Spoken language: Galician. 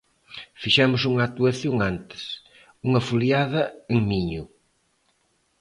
Fixemos unha actuación antes, unha foliada en Miño.